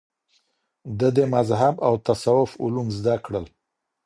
ده د مذهب او تصوف علوم زده کړل